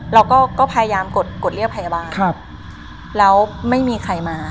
เราก็พยายามกดกดเรียกพยาบาลครับแล้วไม่มีใครมา